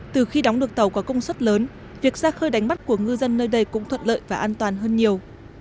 từ khi đóng được tàu có công suất lớn việc ra khơi đánh bắt của ngư dân nơi đây cũng thuận lợi và an toàn hơn nhiều